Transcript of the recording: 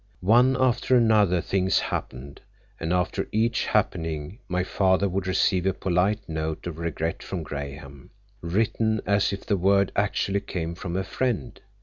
One after another things happened, and after each happening my father would receive a polite note of regret from Graham, written as if the word actually came from a friend.